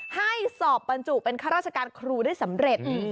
ให้สอบบรรจุเป็นข้าราชการครูได้สำเร็จ